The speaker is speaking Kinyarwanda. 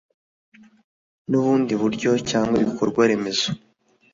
n ubundi buryo cyangwa ibikorwa remezo